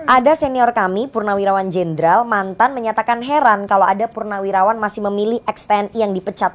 ada senior kami purnawirawan jenderal mantan menyatakan heran kalau ada purnawirawan masih memilih ex tni yang dipecat